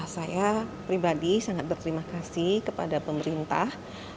saya pribadi sangat berterima kasih kepada pemerintah